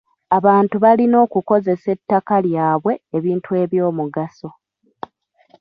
Abantu balina okukozesa ettaka lyabwe ebintu eby'omugaso.